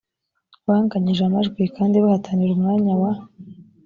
banganyije amajwi kandi bahatanira umwanya wa